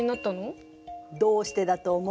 どうしてだと思う？